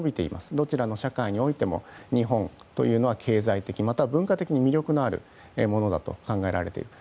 どちらの社会においても日本というのは経済的や文化的に魅力のあるものだと考えられている。